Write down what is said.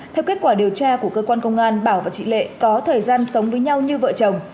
theo kết quả điều tra của cơ quan công an bảo và chị lệ có thời gian sống với nhau như vợ chồng